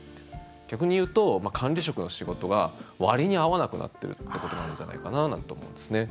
逆に言うと、管理職の仕事が割に合わなくなっているということなんじゃないかななんて思うんですね。